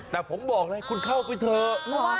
แต่ผมบอกเลยคุณเข้าไปเถอะ